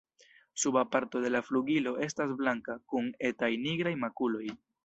Suba parto de la flugilo estas blanka, kun etaj nigraj makuloj.